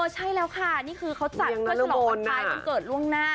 ใช่แล้วค่ะนี่คือเขาจัดเพื่อฉลองวันคล้ายวันเกิดล่วงหน้า